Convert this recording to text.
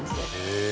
へえ。